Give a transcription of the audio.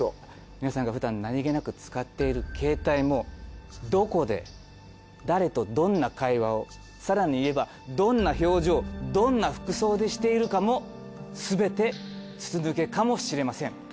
皆さんがふだん何気なく使っているケータイもどこで誰とどんな会話を更に言えばどんな表情どんな服装でしているかもすべて筒抜けかもしれません。